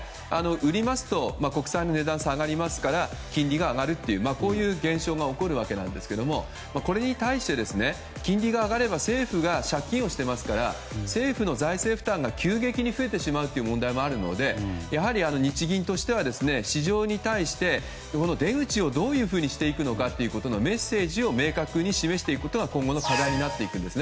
売りますと国債の値段が下がりますから金利が上がるという現象が起こるわけなんですがこれに対して、金利が上がれば政府が借金をしているので政府の財政負担が急激に増えてしまう問題もあるので日銀としては市場に対して出口をどういうふうにしていくかのメッセージを明確に示すことが今後の課題になります。